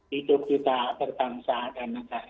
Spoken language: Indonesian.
hidup kita berbangsa dan negara